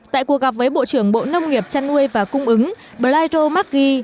tại cuộc gặp với bộ trưởng bộ nông nghiệp trăn nuôi và cung ứng blairo marqui